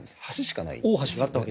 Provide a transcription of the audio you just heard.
橋しかない。